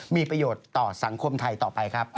มีประโยชน์ต่อสังคมไทยต่อไปครับ